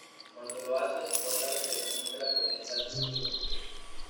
Cuando lo hace, corta completamente la corriente al núcleo completo.